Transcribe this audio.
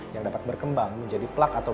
yang dapat berkembang menjadi plakar jantung